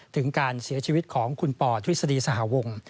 ถึงการเสียชีวิตของคุณปอทฤษฎีสหวง